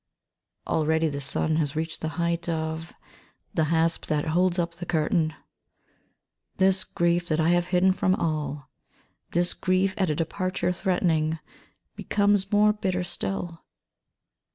Already the sun has reached the height of the hasp that holds up the curtain. This grief that I have hidden from all, this grief at a departure threatening, becomes more bitter still.